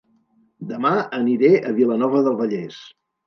Dema aniré a Vilanova del Vallès